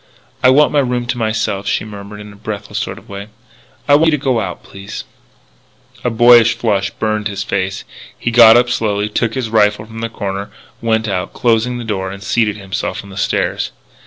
"I want my room to myself," she murmured in a breathless sort of way, " I want you to go out, please " A boyish flush burnt his face. He got up slowly, took his rifle from the corner, went out, closing the door, and seated himself on the stairs.